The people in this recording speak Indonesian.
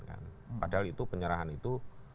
padahal itu penyerahan itu